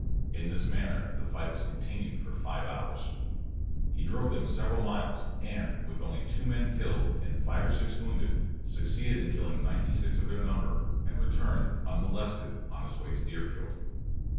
In this manner the fight was continued for five hours. He drove them several miles, and, with only two men killed, and five or six wounded, succeeded in killing ninety six of their number, and returned, unmolested, on his way to Deerfield.